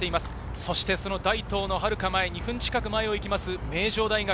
そして大東のはるか前、２分近く前を行く名城大学。